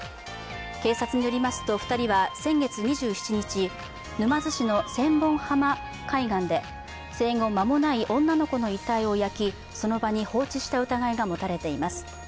警察によりますと２人は先月２７日、沼津市の千本浜海岸で生後間もない女の子の遺体を焼き、その場に放置した疑いが持たれています。